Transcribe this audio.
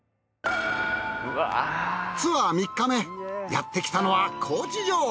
ツアー３日目やってきたのは高知城。